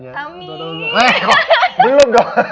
nanti feelingnya dulu